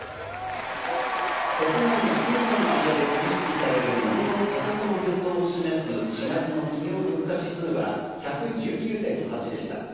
国内の企業の間で取引されるモノの価格の変動を示す、４月の企業物価指数は１１９．８でした。